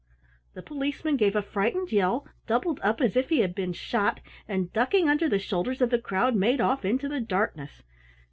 The Policeman gave a frightened yell, doubled up as if he had been shot, and ducking under the shoulders of the crowd made off into the darkness.